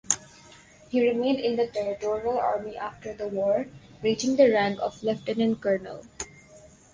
He remained in the Territorial Army after the war, reaching the rank of Lieutenant-Colonel.